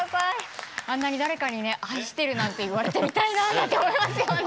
あんなに誰かにね「愛してる」なんて言われてみたいななんて思いますよね。